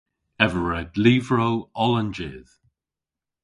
Ev a red lyvrow oll an jydh.